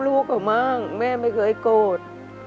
ลูกก็มากแม่ไม่เคยโกรธ